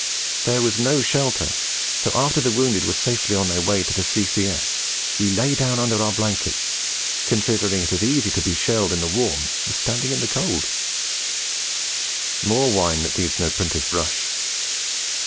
There was no shelter, so after the wounded were safely on their way to a C.C.S. we lay down in our blankets, considering it as easy to be shelled in the warm as standing in the cold' more wine that needs no printer's bush.